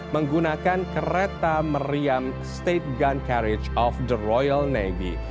menggunakan kereta meriam state gun carridge of the royal navy